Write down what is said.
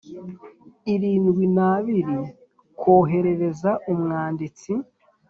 Irindwi n abiri koherereza umwanditsi